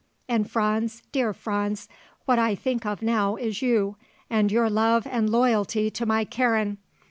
And Franz, dear Franz, what I think of now is you, and your love and loyalty to my Karen.